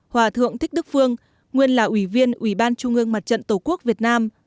hòa thượng thích đức phương nguyên là ủy viên ủy ban trung ương mặt trận tổ quốc việt nam